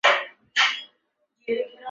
现在这里仍有很受儿童喜爱的游乐园。